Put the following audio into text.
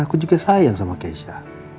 aku juga sayang sama keisha